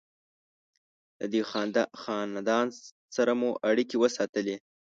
له دې خاندان سره مو اړیکې وساتلې.